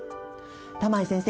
玉井先生